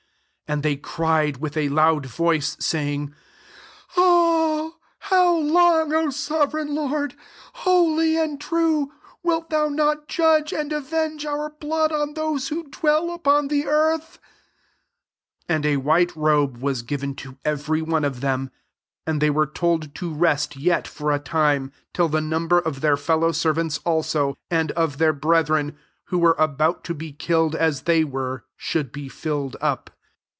10 And they cried with a loud voice, sayhig, <^ How long, O sovereign Lord, holy and true, wilt thon not judge and avenge our blood on those who dwell upon the earth ?*' 11 And a white robe was given to every one qfthemi and they were told to rest yet /or a time, till the number <^ their fellow servants also and of their brethren, who were about to be killed as they vfere, should be filled up.